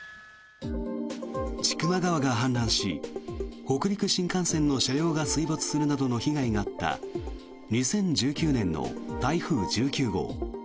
千曲川が氾濫し北陸新幹線の車両が水没するなどの被害があった２０１９年の台風１９号。